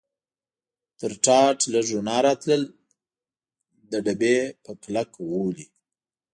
تر ټاټ لږ رڼا راتلل، د ډبې په کلک غولي.